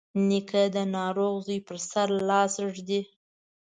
نیکه د ناروغ زوی پر سر لاس ږدي.